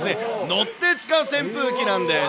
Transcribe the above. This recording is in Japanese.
乗って使う扇風機なんです。